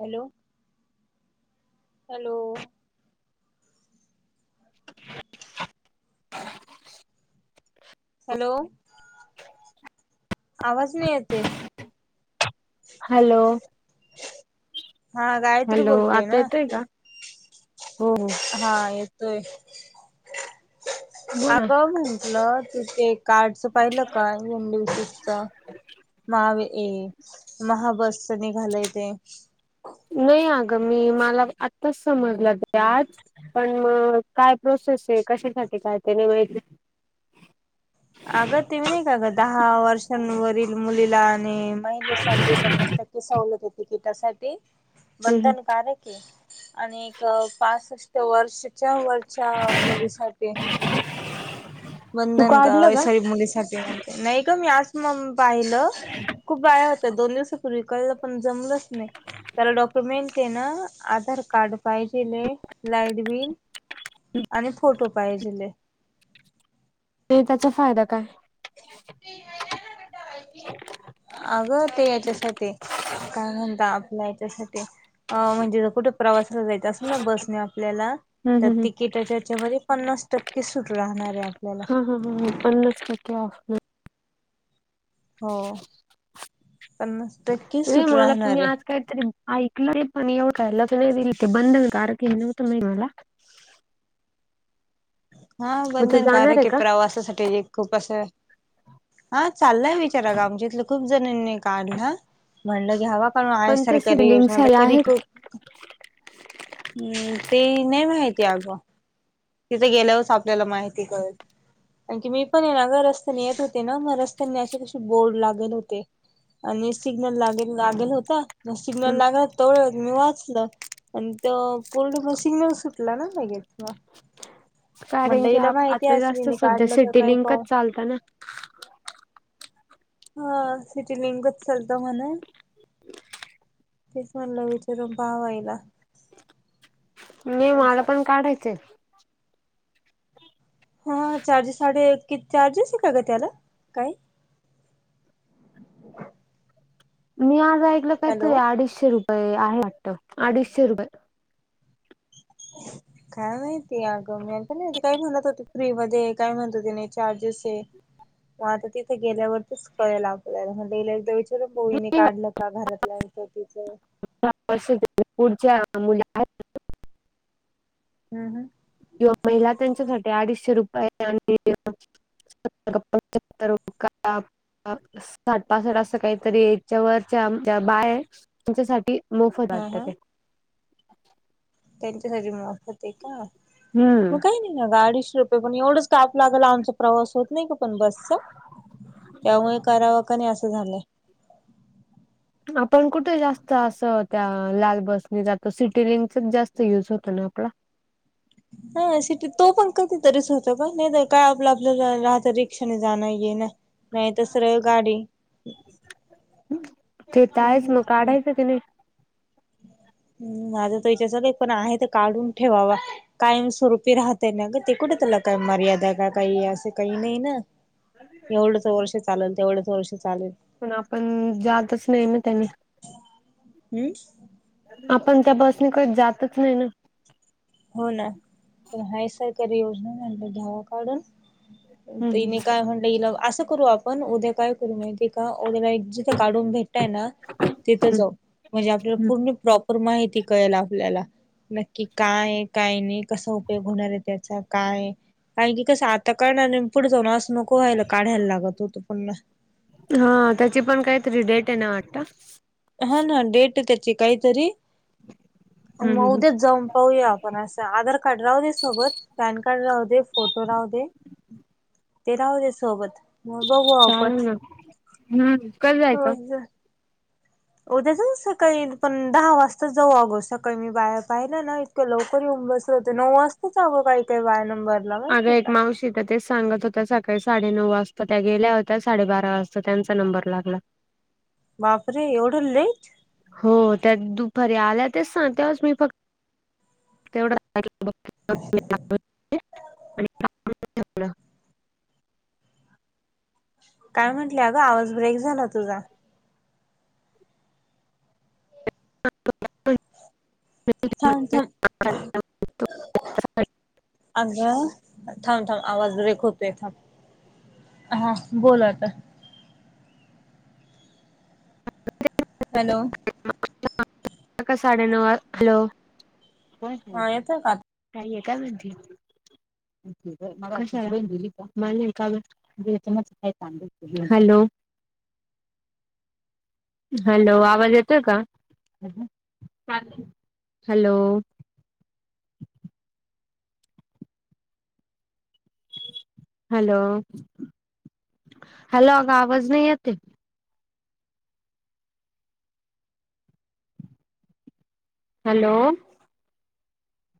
Hello hello. [inaudible] Hello आवाज नाही येत ये. हॅलो. हा गायत्री हॅलो, बोलते आता ना येतोय का? हो. हो हा येतोय, बोला आगं म्हंटलं तिथे कार्डचं पाहिलं का? एम. व्ही. सी चा माव ए महाबसच निघालाय ते? नाही अगं मी मला आत्ताच समजलं ते आज पण मग काय प्रोसेस ये कशासाठी काय ते [unintelligible] आ ग ते नाही का गं दहा वर्षांवरील मुलीला आणि महिलेसाठी पन्नास टक्के सवलत ये तिकिटासाठी हम्म हम्म बंधनकारक आणि एक पासष्ट वर्षाच्या वरच्या मुलीसाठी तू बंधन का काढलं सॉरी मुलीसाठी म्हणते नाही ग मी आज मग पाहिलं खूप बाया होत्या, दोन दिवस [unintelligible] पण जमलच नाही, त्याला डॉक्युमेंट ते ना आधार कार्ड पाहिजेल ये लाइट बिल, आणि फोटो पाहिजेलये. ते त्याचा फायदा काय? अगं ते याच्यासाठी काय म्हणता आपला याच्यासाठी अ म्हणजे कुठे प्रवासाला जायचं असेल ना बसने आपल्याला हम्म त्या हम्म हम्म तिकीटाच्या हेच्या मध्ये पन्नास टक्के सुट राहणार ये आपल्याला. हं हं हं पन्नास टक्के ऑफ. हो, पन्नास टक्के सुट राहणार ये. आयकलय पण एवढं लगलं विल ते बंधनकारक हे नव्हतं माहीत मला. हा मग तू जाणार आहे बंधनकारक ये का प्रवासासाठी खूप अस. हा चाललाय विचार आज आमच्यातलं खूप जणांनी काढला, म्हणलं घ्यावा पण आहे ते सरकारी सिडलिंग्स योजना तर ह्याला कधी आहेत क हम् ते नाही माहिती आ ग. तिथे गेल्यावरच आपल्याला माहिती कळेल. आणखी मी पण ये ना ग रस्त्याने येत होते ना मग रस्त्याने अशी कशी बोर्ड लागल होते आणि सिग्नल लागेल लागेल होता, म सिग्नल लागत तोळत मी वाचलं, आणि तो पूर्ण म सिग्नल सुटला ना लगेच म. कारण की आता असेल जास्त हिने सध्या काढलं का सिटी काय पाहू लिंकच चालतं ना. हा सिटी लिंकच चालत म्हणा. तेच म्हणल विचारून पाहाव हिला. नाही मला पण काढायचंय हा चार साडे किती चार्जेस आहे का ग त्याला? काही? मी आज ऐकलं काहीतरी हॅलो अडीचशे रुपये आहे वाटत, अडीचशे रुपये. [unintelligible] काय माहिती अगं मी पण काय म्हणत होते फ्री मध्ये काय म्हणतोते नाही चार्जेस आहे, मग आता तिथे गेल्यावरतीच कळेला आपल्याला म्हणलं हिला एकदा र बोईने काढलं का घरातल्यानच तिचं हार्ष पुढच्या मुली आहेत, हम् हम किंवा महिला त्यांच्यासाठी अडीचशे रुपये आहे, आणि [unintelligible] [inaudible] साठ पासठ अस काहीतरी याच्यावरच्या बाय त्याच्यासाठी मोफत हा वाटत हा ते. त्यांच्यासाठी मोफत आहे का, मग हम्म काही नाही गाडी अडीचशे रुपये पण एवढंच ताप लागल आमचा प्रवास होत नाही का पण बसचा त्यामुळे करावा का नइ असं झालंय. आपण कुठे जास्त असं त्या लाल बसनी जातो, सिटी लिंकचाच जास्त युज होतो ना आपला. हो सिट तो पण कधीतरीच होत का नाही तर काय आपलं आपल्या राहत रिक्षाने जाण येन. नाही तर सरळ गाडी. ते तर आहेच मग हम्म काढायचं कि नाही. ह् माझं तर हिच्या साठी आहे ते तर काढून ठेवावा. कायम स्वरूपी राहते ना ग ते कुठे त्याला काय मर्यादा आहे का काही असं काही नाही ना. एवढंच वर्ष चालल तेवढंच वर्ष चालल. पण आपण जातच नाही ना त्यांनी. हम्म आपण त्या बसण कधी जातच नाही ना. हो ना, पण हाय सरकारी योजना म्हनल घ्यावा काढून. हम्म तने काय म्हणलं असं करू आपण उद्या काय माहितीय का, [unintelligible] एक जिथं काढून भेटतय ना तिथं हम्म जाऊ म्हणजे, आपल्याला पूर्ण प्रॉप माहिती कळेल आपल्याला, नक्की काय काय नाही कसा उपयोग होणार आहे त्याचा, काय कारन की कस आता करणार पुढ जाऊ ना असं नको व्हायला काढायला लागत होतं पण हा त्याची पण काहीतरी डेट आहे ना वाटत. हा ना डेट त्याची काहीतरी आणि हम्म मग हम्म उद्याच जाऊन पाहूया आप पण अस आधार कार्ड राहू दे सोबत, पॅन कार्ड राहू दे, फोटो राहू दे, ते राहूते सोबत मग बघू आपण, चालेल ना हम्म कधी हो जायचं उद्या सकाळी पण दहा वाजता जाऊ अगो सकाळी मी बाहेर पाहिला ना, लवकर येऊन बसत होत नऊ वाजताचगं काही काही बाया नंबरला माहिती का? तिथं तेच सांगत होत सकाळी साडेनऊ वाजता त्या गेल्या होत्या साडेबारा वाजता त्यांचा नंबर लागला. बापरे! एवढं लेट. हो त्या दुपारी आल्या तेच सांगतच [inaudible] मी फक्त तेवढं [unintelligible] [unintelligible] [inaudible] काय म्हटलं अ गं आवाज ब्रेक झाला तुझा. [unintelligible] [unintelligible] अच्छा अग थांब थांब आवाज ब्रेक होते थांब हा बोलला आता हॅलो का साडे न हॅलो हा [unintelligible] का [unintelligible] काही आहे का म्हणजे [inaudible] दिली का म एका [unintelligible] हॅलो ह हॅलो आवाज येतो का? हॅलो ़ हॅलो हॅलो आग आवाज नाही येत. हॅलो